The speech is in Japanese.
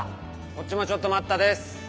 こっちもちょっと待ったです。